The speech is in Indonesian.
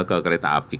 ke kereta api